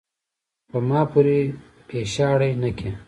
پۀ ما پورې پیشاړې نۀ کے ،